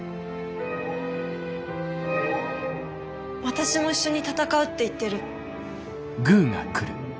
「私も一緒に戦う」って言ってる。